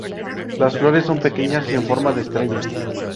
Las flores son pequeñas y en forma de estrellas.